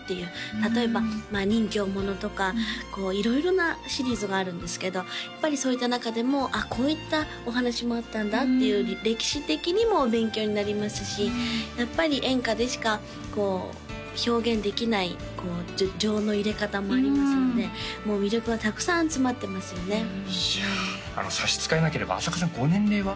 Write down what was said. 例えば任侠ものとかこう色々なシリーズがあるんですけどやっぱりそういった中でもこういったお話もあったんだっていう歴史的にも勉強になりますしやっぱり演歌でしかこう表現できない情の入れ方もありますのでもう魅力はたくさん詰まってますよねいや差し支えなければ朝花さんご年齢は？